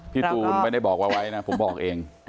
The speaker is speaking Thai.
พี่ตูนไม่ได้บอกไวนะผมบอกเอง